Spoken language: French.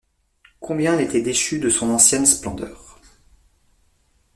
Combien elle était déchue de son ancienne splendeur!